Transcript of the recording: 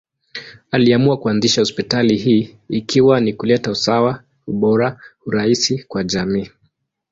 Aliamua kuanzisha hospitali hii ikiwa ni kuleta usawa, ubora, urahisi kwa jamii.